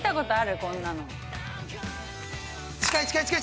こんなの。